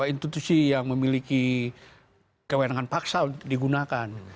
institusi yang memiliki kewenangan paksa untuk digunakan